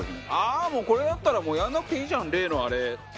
ああもうこれだったらやんなくていいじゃん例のあれ。